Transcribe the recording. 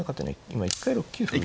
今一回６九歩打つ。